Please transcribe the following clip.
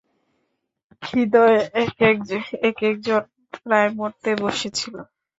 খিদেয় একেক জন প্রায় মরতে বসেছি।